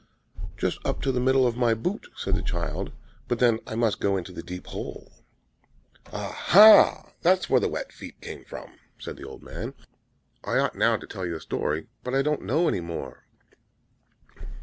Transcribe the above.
"Just up to the middle of my boot," said the child; "but then I must go into the deep hole." "Ah, ah! That's where the wet feet came from," said the old man. "I ought now to tell you a story; but I don't know any more."